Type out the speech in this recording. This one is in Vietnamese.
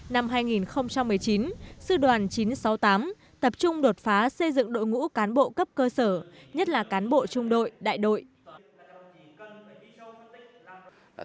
năm hai nghìn một mươi chín sư đoàn chín trăm sáu mươi tám tập trung đột phá xây dựng đội ngũ cán bộ cấp cơ sở nhất là cán bộ trung đội đại đội